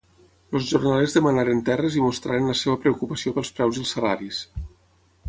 Els jornalers demanaren terres i mostraren la seva preocupació pels preus i els salaris.